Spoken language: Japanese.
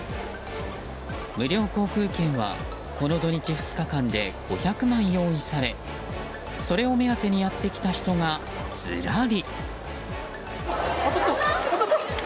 無料航空券はこの土日、２日間で５００枚用意されそれを目当てにやってきた人がずらり。